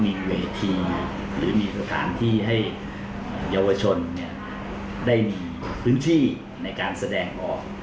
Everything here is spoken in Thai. มีเวทีหรือมีสถานที่ให้เยาวชนได้มีพื้นที่ในการแสดงออก